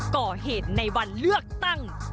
ก่อเหตุในวันเลือกตั้ง